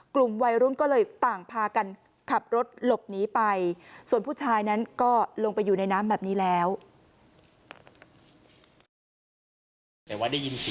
กลุ่มวัยรุ่นก็เลยต่างพากันขับรถหลบหนีไปส่วนผู้ชายนั้นก็ลงไปอยู่ในน้ำแบบนี้แล้ว